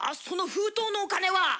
その封筒のお金は。